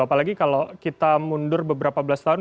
apalagi kalau kita mundur beberapa belas tahun